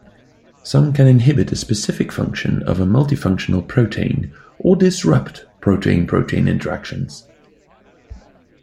Some can inhibit a specific function of a multifunctional protein or disrupt protein-protein interactions.